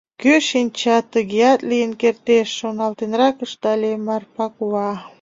— Кӧ шинча, тыгеат лийын кертеш, — шоналтенрак ыштале Марпа кува.